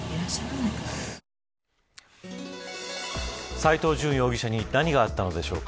斎藤淳容疑者に何があったのでしょうか。